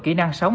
kỹ năng sống